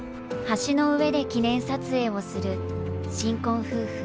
橋の上で記念撮影をする新婚夫婦。